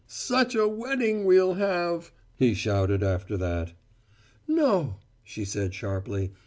"Such a wedding we'll have!" he shouted, after that. "No!" she said sharply.